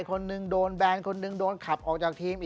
คนหนึ่งโดนแบรนด์คนหนึ่งโดนขับออกจากทีมอีก